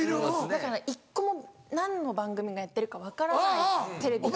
だから１個も何の番組がやってるか分からないテレビが。